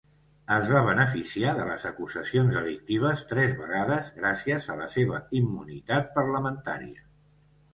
Es va beneficiar de les acusacions delictives tres vegades gràcies a la seva immunitat parlamentària.